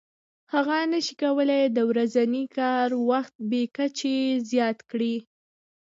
هغه نشي کولای د ورځني کار وخت بې کچې زیات کړي